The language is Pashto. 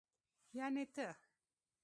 يعنې ته.